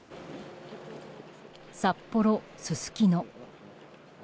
札幌すすきの。